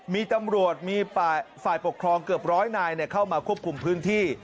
มีตำรวจมีฝ่ายปกครองเกือบร้อยนายเข้ามาควบคุมพื้นที่